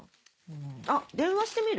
あっ電話してみる？